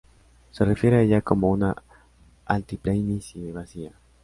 Se refiere a ella como una altiplanicie vacía.